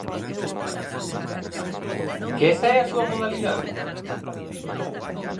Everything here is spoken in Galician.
¿Que esa é a súa modalidade?